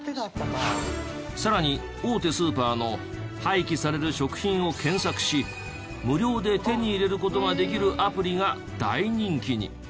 さらに大手スーパーの廃棄される食品を検索し無料で手に入れる事ができるアプリが大人気に。